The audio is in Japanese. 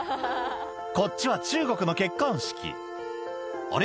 こっちは中国の結婚式あれ？